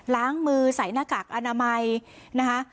ล้างมือใส่หน้ากากอนามัยนะคะ